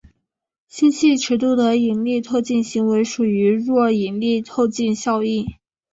星系尺度的引力透镜行为属于弱引力透镜效应。